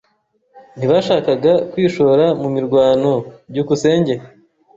Ntibashakaga kwishora mu mirwano. byukusenge